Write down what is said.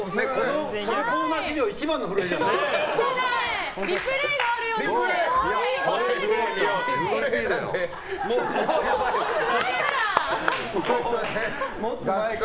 このコーナー史上一番の震えじゃないですか。